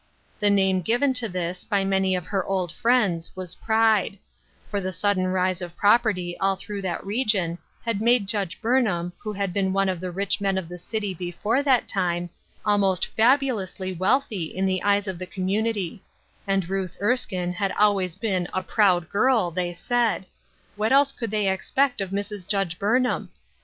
The name given to this, by many of her old friends, was pride ; for the sudden rise of property all through that region had made Judge Burnham, who had been one of the rich men of the city before that time, almost fabulously wealthy in the eyes of the community; and Ruth Erskine had always been "a proud girl," they said ;" what else could they expect of Mrs. LOGIC AND INTERROGATION POINTS. 33 Judge Burnham